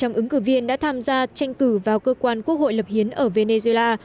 hơn sáu hai trăm linh ứng cử viên đã tham gia tranh cử vào cơ quan quốc hội lập hiến ở venezuela